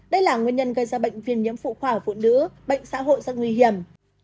đây là nguyên nhân gây ra bệnh viêm nhiễm phụ khoa ở phụ nữ bệnh xã hội rất nguy hiểm